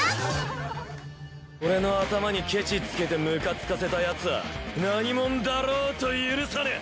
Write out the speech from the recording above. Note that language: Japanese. おれの頭にケチつけてムカつかせたヤツぁ何モンだろうとゆるさねえ！